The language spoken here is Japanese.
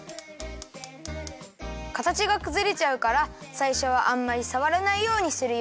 かたちがくずれちゃうからさいしょはあんまりさわらないようにするよ。